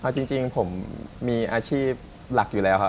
เอาจริงผมมีอาชีพหลักอยู่แล้วครับ